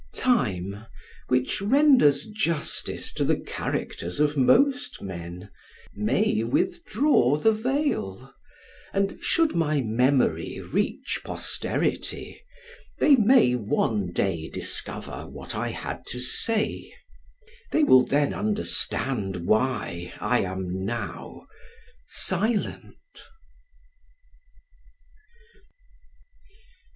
Time, which renders justice to the characters of most men, may withdraw the veil; and should my memory reach posterity, they may one day discover what I had to say they will then understand why I am now silent.